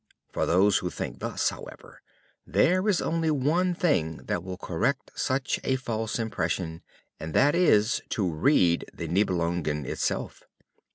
For those who think thus, however, there is only one thing that will correct such a false impression and that is to read the Nibelungen itself.